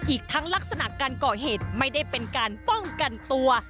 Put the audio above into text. อีกทั้งลักษณะการก่อเหตุไม่ได้เป็นการป้องกันตัว